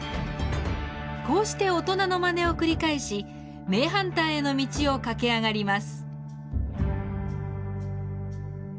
こうして大人のまねを繰り返し名ハンターへの道を駆け上がります。